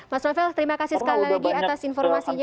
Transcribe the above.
mas novel terima kasih sekali lagi atas informasinya